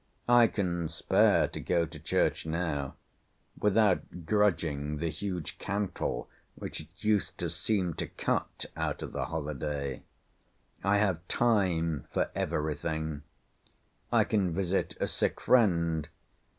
I can spare to go to church now, without grudging the huge cantle which it used to seem to cut out of the holyday. I have Time for everything. I can visit a sick friend.